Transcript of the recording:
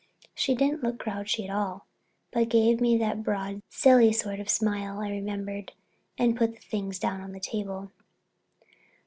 She didn't look grouchy at all, but gave me that broad, silly sort of smile I remembered and put the things down on the table!